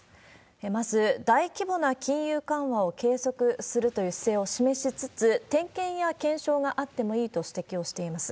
まず大規模な金融緩和を継続するという姿勢を示しつつ、点検や検証があってもいいと指摘をしています。